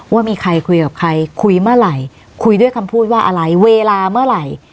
ว่ามีใครคุยกับใครคุยเมื่อไหร่คุยด้วยคำพูดว่าอะไรเวลาเมื่อไหร่